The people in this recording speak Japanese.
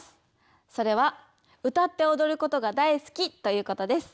それは歌っておどることが大好きということです。